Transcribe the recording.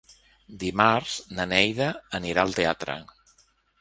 Dimarts na Neida anirà al teatre.